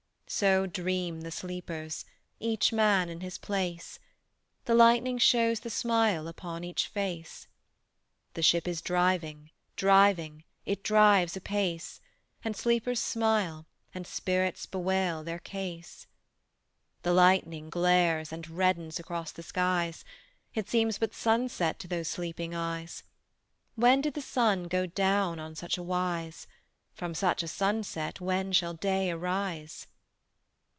So dream the sleepers, Each man in his place; The lightning shows the smile Upon each face: The ship is driving, driving, It drives apace: And sleepers smile, and spirits Bewail their case. The lightning glares and reddens Across the skies; It seems but sunset To those sleeping eyes. When did the sun go down On such a wise? From such a sunset When shall day arise?